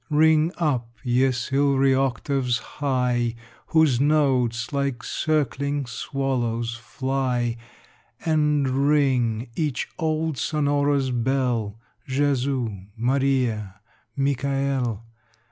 Ring up, ye silvery octaves high, Whose notes like circling swallows fly; And ring, each old sonorous bell, "Jesu," "Maria," "Michaël!"